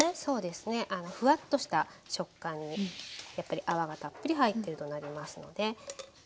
そうですねフワッとした食感にやっぱり泡がたっぷり入ってるとなりますので。